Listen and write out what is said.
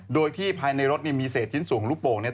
โดยที่ภายในรถมีเศษชิ้นส่วนของลูกโป่ง